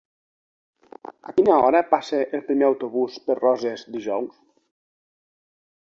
A quina hora passa el primer autobús per Roses dijous?